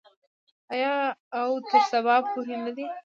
آیا او تر سبا پورې نه دی؟